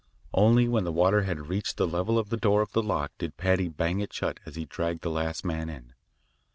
Only when the water had reached the level of the door of the lock, did Paddy bang it shut as he dragged the last man in.